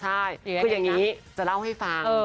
ใช่คืออย่างนี้จะเล่าให้ฟัง